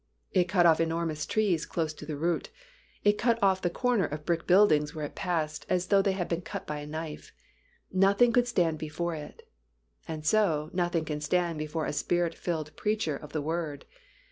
It cut off enormous trees close to the root, it cut off the corner of brick buildings where it passed as though they had been cut by a knife; nothing could stand before it; and so, nothing can stand before a Spirit filled preacher of the Word.